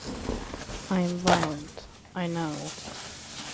I am violent, I know.